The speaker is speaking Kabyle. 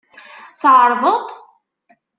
Tεerḍeḍ-t?